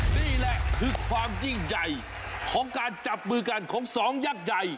นี่แหละคือความยิ่งใหญ่ของการจับมือกันของสองยักษ์ใหญ่